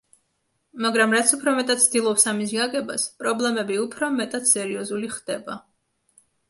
მაგრამ რაც უფრო მეტად ცდილობს ამის გაგებას, პრობლემები უფრო მეტად სერიოზული ხდება.